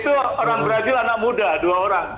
itu orang brazil anak muda dua orang